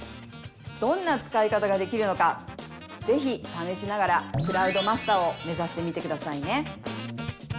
どんな使い方ができるのかぜひためしながらクラウドマスターを目指してみてくださいね。